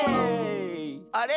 あれ？